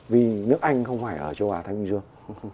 vì nước anh không phải ở châu á thái bình dương